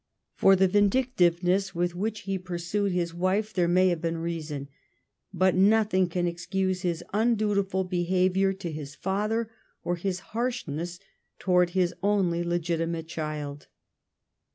For the vindictive ness with which he pursued his wife there may have been reason, but nothing can excuse his undutiful behaviour to his father or his harshness towards his only legitimate child.